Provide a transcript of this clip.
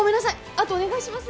あとお願いします